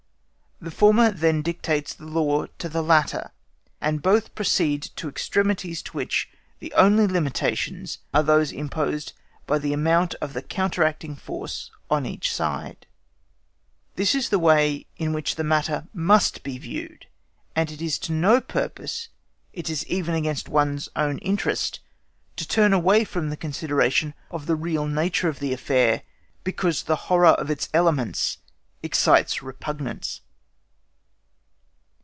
The former then dictates the law to the latter, and both proceed to extremities to which the only limitations are those imposed by the amount of counter acting force on each side. This is the way in which the matter must be viewed and it is to no purpose, it is even against one's own interest, to turn away from the consideration of the real nature of the affair because the horror of its elements excites repugnance.